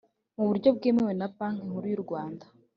mu buryo bwemewe na Banki Nkuru y urwanda